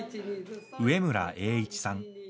植村栄一さん。